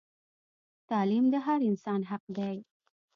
تعلیم د هر انسان حق دی